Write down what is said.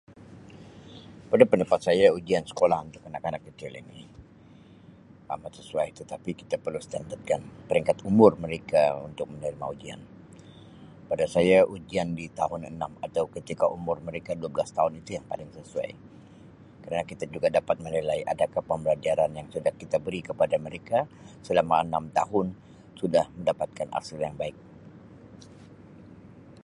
"Pada pendapat saya ujian sekolah untuk anak-anak kecil ini amat sesuai tetapi kita perlu ""standard"" kan peringkat umur mereka untuk menerima ujian pada saya ujian di tahun enam atau ketika umur mereka dua belas tahun itu yang paling sesuai kerana kita juga dapat menilai adakah pembelajaran yang sudah kita beri kepada mereka selama enam tahun sudah mendapatkan hasil yang baik."